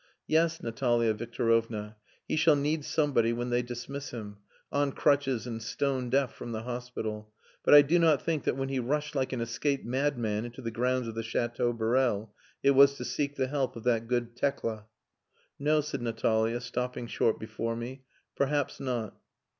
"Yes, Natalia Victorovna, he shall need somebody when they dismiss him, on crutches and stone deaf from the hospital. But I do not think that when he rushed like an escaped madman into the grounds of the Chateau Borel it was to seek the help of that good Tekla." "No," said Natalia, stopping short before me, "perhaps not."